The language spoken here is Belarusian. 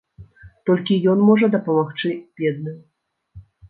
Толькі ён можа дапамагчы бедным.